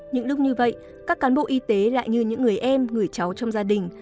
những lúc như vậy các cán bộ y tế lại như những người em người cháu trong gia đình